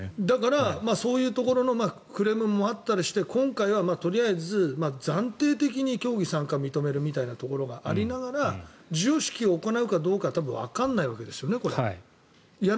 だから、そういうところのクレームもあったりして今回はとりあえず暫定的に競技参加を認めるみたいなところがありながら授与式を行うかどうかわからないわけですよね。